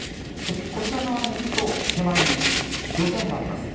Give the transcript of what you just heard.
こちら側に行くと手前に漁船があります。